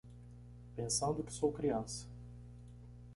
Pensando que sou criança